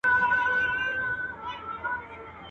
جګړې تل زیانونه لري